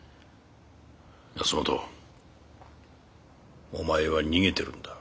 保本お前は逃げてるんだ。